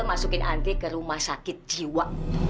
masukin anti ke rumah sakit jiwa